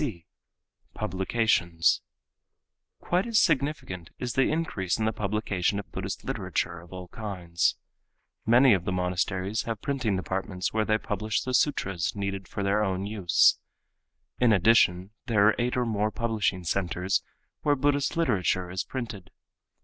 (c) Publications.—Quite as significant is the increase in the publication of Buddhist literature of all kinds. Many of the monasteries have printing departments where they publish the sutras needed for their own use. In addition, there are eight or more publishing centers where Buddhist literature is printed.